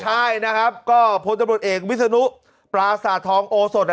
ใช่นะครับวิศนุปราศาสตร์ทองโอโสลนร์